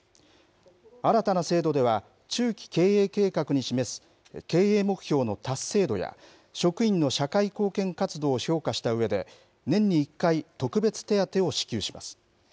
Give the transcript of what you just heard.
新たな制度では、中期経営計画に示す経営目標の達成度や、職員の社会貢献活動を評価したうえで、年に１回、特別手当を支給します。